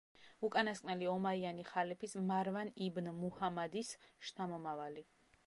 უკანასკნელი ომაიანი ხალიფის მარვან იბნ მუჰამადის შთამომავალი.